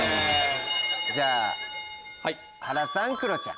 じゃあはらさんクロちゃん。